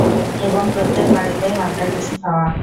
এবং প্রত্যেক বাড়িতেই হালকা কিছু খাওয়া।